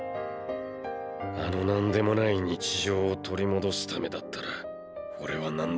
あの何でもない日常を取り戻すためだったら俺は何でもする。